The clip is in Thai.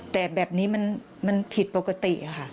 แต่แบบนี้มันผิดปกติค่ะ